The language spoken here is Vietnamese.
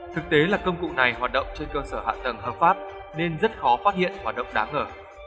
thực tế là công cụ này hoạt động trên cơ sở hạ tầng hợp pháp nên rất khó phát hiện hoạt động đáng ngờ